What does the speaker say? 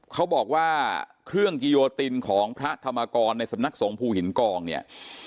เขาบอกว่าเครื่องกิโยตินของพระธรรมกรในสำนักสงภูหินกองเนี่ย